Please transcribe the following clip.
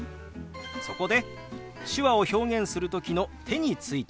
そこで手話を表現する時の手についてです。